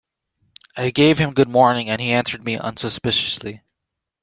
I gave him good morning and he answered me unsuspiciously.